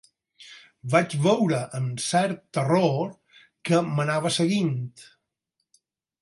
Vaig veure amb cert terror que m'anava seguint